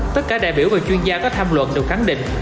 tất cả đại biểu và chuyên gia có tham luận đều khẳng định